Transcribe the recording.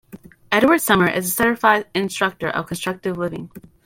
Edward Summer is a certified instructor of Constructive Living.